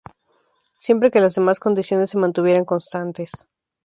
Siempre que las demás condiciones se mantuvieran constantes.